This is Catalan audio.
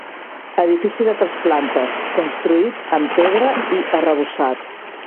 Edifici de tres plantes, construït en pedra i arrebossat.